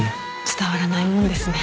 伝わらないもんですね。